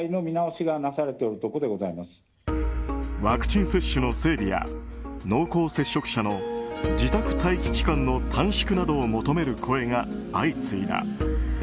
ワクチン接種の整備や濃厚接触者の自宅待機期間の短縮などを求める声が相次いだ。